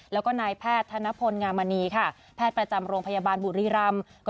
แล้วก็นายแพทย์ธนพลงามณีค่ะแพทย์ประจำโรงพยาบาลบุรีรำ